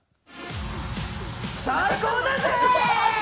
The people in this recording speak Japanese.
最高だぜ！